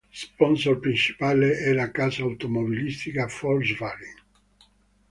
Sponsor principale è la casa automobilistica Volkswagen.